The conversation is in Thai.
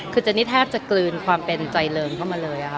คือเจนี่แทบจะกลืนความเป็นใจเริงเข้ามาเลยค่ะ